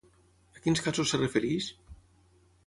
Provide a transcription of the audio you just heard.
A quins casos es refereix?